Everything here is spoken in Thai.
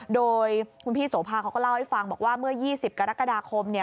โดยคุณพี่โสภาเขาก็เล่าให้ฟังบอกว่าเมื่อ๒๐กรกฎาคมเนี่ย